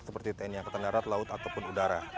seperti tni ketendarat laut ataupun udara